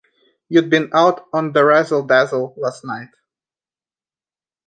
You'd been out on the razzle-dazzle last night.